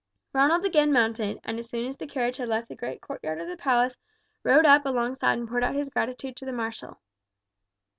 Ronald again mounted, and as soon as the carriage had left the great courtyard of the palace, rode up alongside and poured out his gratitude to the marshal.